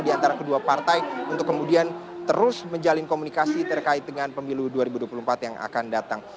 di antara kedua partai untuk kemudian terus menjalin komunikasi terkait dengan pemilu dua ribu dua puluh empat yang akan datang